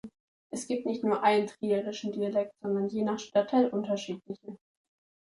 Es gibt nicht nur "einen" Trierischen Dialekt, sondern je nach Stadtteil unterschiedliche.